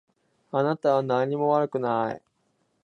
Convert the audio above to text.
あなたは何も悪くない。